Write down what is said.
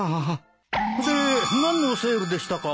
で何のセールでしたか？